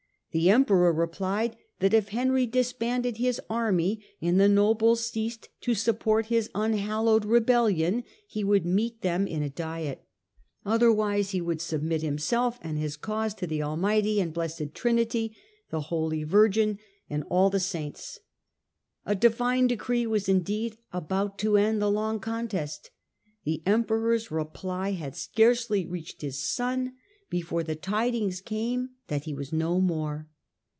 The emperor replied that if Henry disbanded his army, and the nobles ceased to support his un hallowed rebellion, he would meet them in a diet ; other wise he would submit himself and his cause to the almighty and blessed Trinity, the holy Virgin, and all Digitized by VjOOQIC 184 HiLDEBRAND the saints/ A divine decree was indeed abont to end the long contest. The emperor's reply had scarcely reached his son before the tidings came that he was no more.